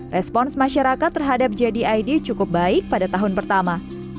respons masyarakat terhadap jdid cukup baik pada tahun pertama